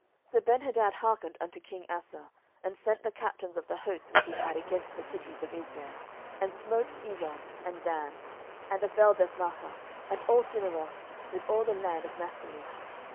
11:015:020 So Benhadad hearkened unto king Asa, and sent the captains of the hosts which he had against the cities of Israel, and smote Ijon, and Dan, and Abelbethmaachah, and all Cinneroth, with all the land of Naphtali.